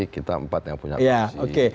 kita empat yang punya kursi